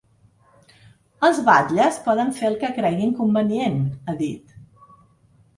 Els batlles poden fer el que creguin convenient, ha dit.